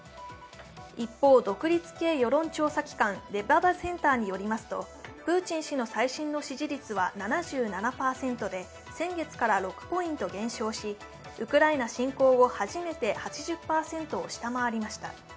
一方、独立系世論調査機関、レバダセンターによるとプーチン氏の最新の支持率は７７％で先月から６ポイント減少しウクライナ侵攻後初めて８０％を下回りました。